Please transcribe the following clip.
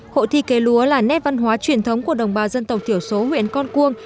hội thi cây lúa là nét văn hóa truyền thống của đồng bào dân tộc thiểu số huyện con cuông